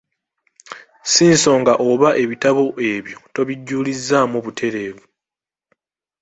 Ssi nsonga oba ebitabo ebyo tobijulizzaamu butereevu.